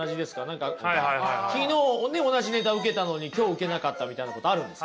何か昨日ね同じネタウケたのに今日ウケなかったみたいなことあるんですか？